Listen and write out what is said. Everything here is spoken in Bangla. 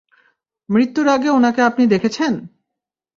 মৃত্যুর আগে উনাকে আপনি দেখেছেন?